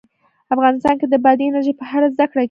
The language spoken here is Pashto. افغانستان کې د بادي انرژي په اړه زده کړه کېږي.